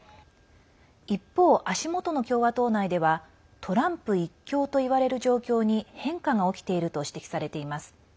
一方、足元の共和党内ではトランプ一強といわれる状況に変化が起きていると指摘されています。